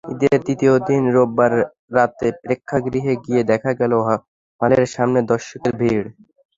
ঈদের তৃতীয় দিন রোববার রাতে প্রেক্ষাগৃহে গিয়ে দেখা গেল হলের সামনে দর্শকের ভিড়।